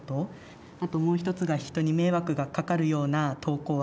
あともう一つが人に迷惑がかかるような投稿はしない。